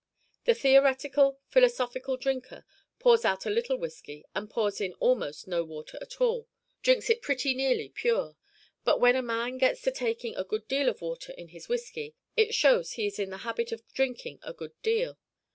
The theoretical, philosophical drinker pours out a little whisky and puts in almost no water at all drinks it pretty nearly pure but when a man gets to taking a good deal of water in his whisky, it shows he is in the habit of drinking a good deal.